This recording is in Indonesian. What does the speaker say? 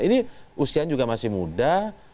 ini usianya juga masih muda